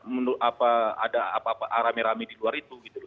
menurut apa ada rame rame di luar itu gitu loh